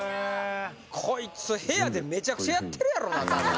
コイツ部屋でめちゃくちゃやってるやろな多分。